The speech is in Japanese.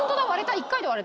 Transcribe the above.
１回で割れた。